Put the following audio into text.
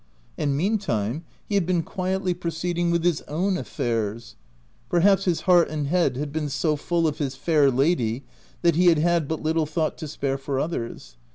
And meantime, he had been quietly proceeding with his own affairs: perhaps his heart and head had been so full of his fair lady that he had had but little thought to spare for others.